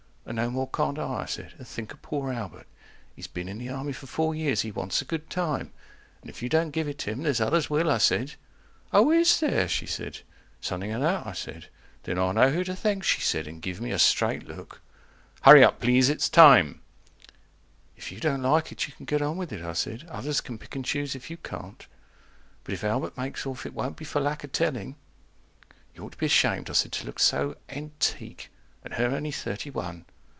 And no more can't I, I said, and think of poor Albert, He's been in the army four years, he wants a good time, And if you don't give it him, there's others will, I said. Oh is there, she said. Something o' that, I said. 150 Then I'll know who to thank, she said, and give me a straight look. HURRY UP PLEASE IT'S TIME If you don't like it you can get on with it, I said. Others can pick and choose if you can't. But if Albert makes off, it won't be for lack of telling. You ought to be ashamed, I said, to look so antique. (And her only thirty one.)